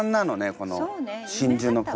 この真珠の粉。